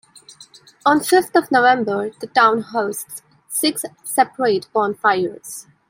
On Fifth of November, the town hosts six separate bonfires.